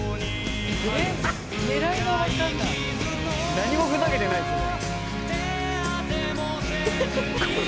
「何もふざけてないですね」